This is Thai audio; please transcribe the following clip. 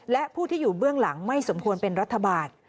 และผู้ที่อยู่เบื้องหลังไม่สมควรเป็นรัฐบาล